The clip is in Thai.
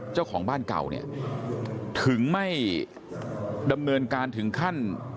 เจ้าของบ้านเก่าเนี่ยถึงไม่ดำเนินการถึงขั้น